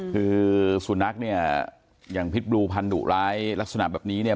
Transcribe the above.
คือสุนัขเนี่ยอย่างพิษบลูพันธุร้ายลักษณะแบบนี้เนี่ย